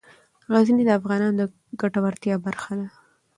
غزني د افغانانو د ګټورتیا برخه ده.